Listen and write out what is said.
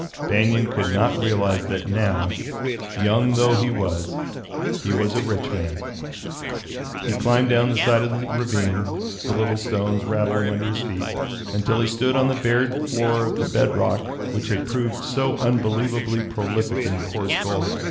Banion could not realize that now, young though he was, he was a rich man. He climbed down the side of the ravine, the little stones rattling under his feet, until he stood on the bared floor of the bed rock which had proved so unbelievably prolific in coarse gold.